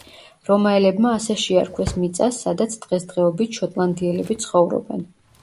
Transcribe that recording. რომაელებმა ასე შეარქვეს მიწას, სადაც დღესდღეობით შოტლანდიელები ცხოვრობენ.